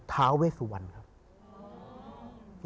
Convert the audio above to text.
ท้าเวสวันครับ